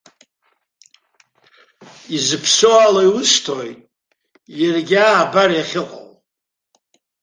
Изыԥсоу ала иусҭоит, иаргьы, аа, абар иахьыҟоу.